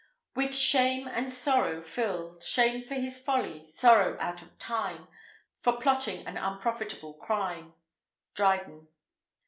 With shame and sorrow filled: Shame for his folly; sorrow out of time For plotting an unprofitable crime. Dryden.